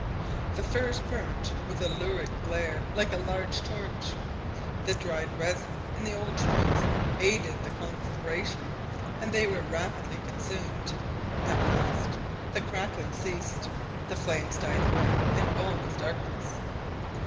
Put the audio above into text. The firs burnt with a lurid glare like a large torch. The dried resin in the old trunks aided the conflagration, and they were rapidly consumed. At last the crackling ceased, the flames died away, and all was darkness.